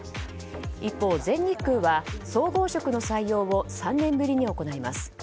一方、全日空は総合職の採用を３年ぶりに行います。